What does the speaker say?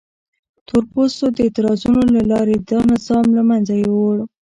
تور پوستو د اعتراضونو له لارې دا نظام له منځه یووړ.